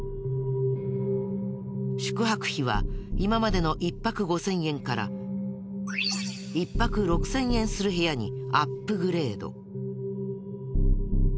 宿泊費は今までの１泊５０００円から１泊６０００円する部屋にアップグレード。